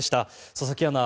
佐々木アナ